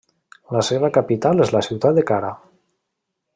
La seva capital és la ciutat de Kara.